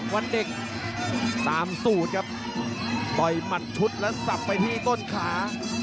วันเด็กตามสูตรครับต่อยหมัดชุดแล้วสับไปที่ต้นขา